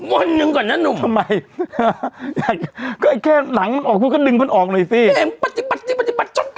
วันหนึ่งก่อนนะหนูทำไมก็แค่หลังมันออกมันก็ดึงมันออกหน่อยสิ